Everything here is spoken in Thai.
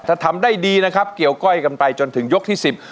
ถ้าทำได้ดีนะครับเกี่ยวก้อยกันไปจนถึงยกที่สิบ